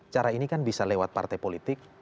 cara ini kan bisa lewat partai politik